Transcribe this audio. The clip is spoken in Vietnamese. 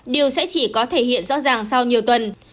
điều sẽ chỉ có thể hiện rõ ràng sau nhiều tuần